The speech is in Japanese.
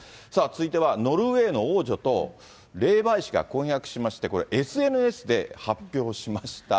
続いては、ノルウェーの王女と霊媒師が婚約しまして、これ、ＳＮＳで発表しました。